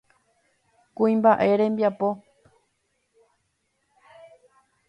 Kuimba'e rembiapo.